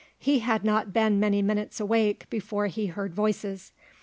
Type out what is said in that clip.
He had not been many minutes awake before he heard voices.